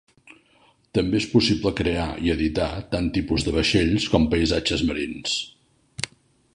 També és possible crear i editar tant tipus de vaixells com paisatges marins.